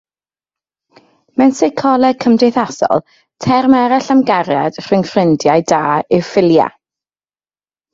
Mewn seicoleg cymdeithasol, term arall am gariad rhwng ffrindiau da yw “philia”.